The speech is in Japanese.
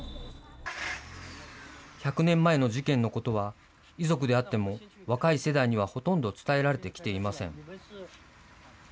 １００年前の事件のことは、遺族であっても若い世代にはほとんど伝えられてきていません。